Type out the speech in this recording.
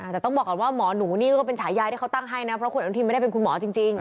แต่ต้องบอกก่อนว่าหมอหนูนี่ก็เป็นฉายาที่เขาตั้งให้นะเพราะคุณอนุทินไม่ได้เป็นคุณหมอจริง